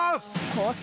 ［コース